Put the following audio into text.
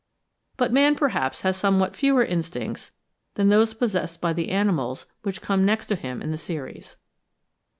But man, perhaps, has somewhat fewer instincts than those possessed by the animals which come next to him in the series.